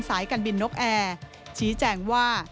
สายการบินนกแอร์ชี้แจงว่า